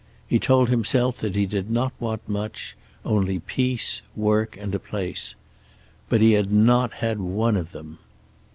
He told himself that he did not want much. Only peace, work and a place. But he had not one of them.